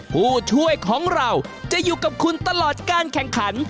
ผู้ช่วยของเราจะอยู่กับคุณตลอดการแข่งขัน